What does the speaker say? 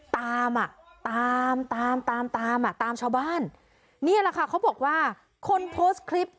ตามอ่ะตามตามตามตามอ่ะตามชาวบ้านนี่แหละค่ะเขาบอกว่าคนโพสต์คลิป